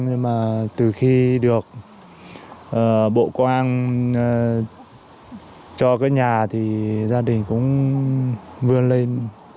nhưng mà từ khi được bộ công an cho cái nhà thì gia đình cũng vươn lên